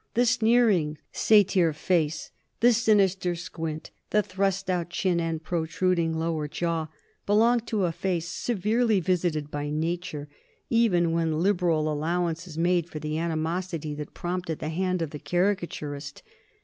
The sneering, satyr face, the sinister squint, the thrust out chin and protruding lower jaw belong to a face severely visited by Nature, even when liberal allowance is made for the animosity that prompted the hand of the caricaturist.